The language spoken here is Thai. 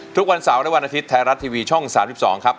ทุกวันเสาร์และวันอาทิตย์ไทยรัฐทีวีช่อง๓๒ครับ